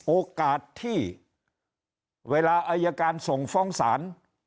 โอกาสที่เวลาอายการส่งฟ้องศาล